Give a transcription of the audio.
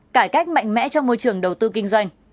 cải cách mạnh mẽ trong môi trường đầu tư kinh doanh